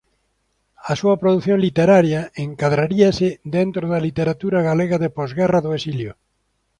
A súa produción literaria encadraríase dentro da literatura galega de posguerra do exilio.